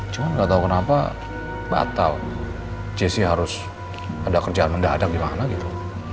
cuma nggak tahu kenapa batal jc harus ada kerjaan mendadak gimana gitu